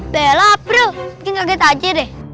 bella bro mungkin kaget aja deh